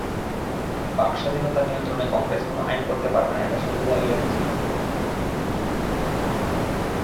বাক্স্বাধীনতা নিয়ন্ত্রণে কংগ্রেস কোনো আইন করতে পারবে না, এটা সংবিধানে লেখা ছিল।